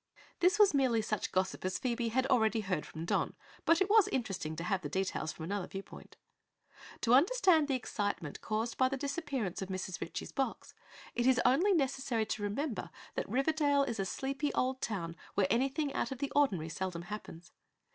This was merely such gossip as Phoebe had heard from Don, but it was interesting to have the details from another viewpoint. To understand the excitement caused by the disappearance of Mrs. Ritchie's box it is only necessary to remember that Riverdale is a sleepy old town where anything out of the ordinary seldom happens.